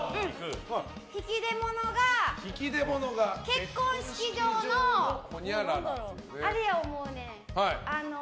引き出物が結婚式場のあれや思うねん。